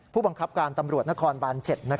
ผู้บังคับการตำรวจนครบาน๗